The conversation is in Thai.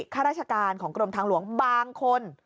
ข้าราชการของกรมทางหลวงบางคน